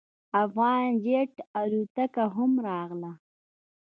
افغان جیټ الوتکه هم راغله.